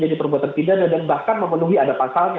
dan bahkan memenuhi ada pasalnya